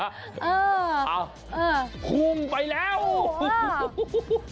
เออเออคุมไปแล้วฮู้ฮู้ฮู้ฮู้